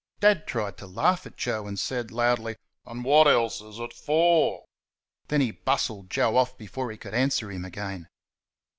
Dad tried to laugh at Joe, and said, loudly, "And what else is it for?" Then he bustled Joe off before he could answer him again.